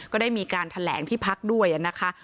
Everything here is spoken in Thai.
ก็ได้มีการแถลงที่พักด้วยนะคะ